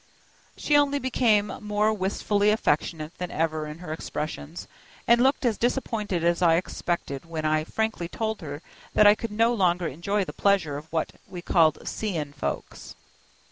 She only became more wistfully affectionate than ever in her expressions, and looked as disappointed as I expected when I frankly told her that I could no longer enjoy the pleasure of what we called "seein' folks."